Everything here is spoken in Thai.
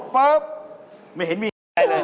ไม่เห็นมีน้ำให้เลย